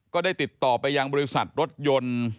ก็ได้ติดต่อไปยังบริษัทรถยนต์